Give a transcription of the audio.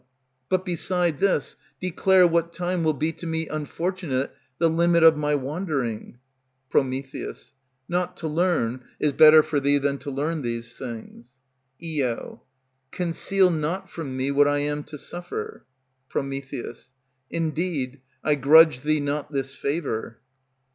_ But beside this, declare what time will be To me unfortunate the limit of my wandering. Pr. Not to learn is better for thee than to learn these things. Io. Conceal not from me what I am to suffer. Pr. Indeed, I grudge thee not this favor.